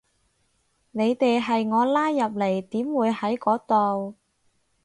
你哋係我拉入嚟，點會喺嗰度